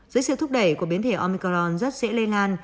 dưới sự thúc đẩy của biến thể omicron rất dễ lây lan